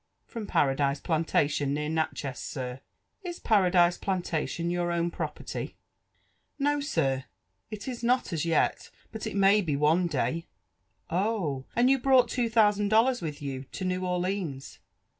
^' From Paradise Plantation, near Natchez, sir/' *' Is Paradise Plantation your own property?" '/' No, sir, it is not a^ yet; but it may be one day." '*! and you broi^ht two thousand dollars with you to New Of lines?"